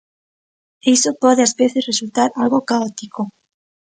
E iso pode ás veces resultar algo caótico.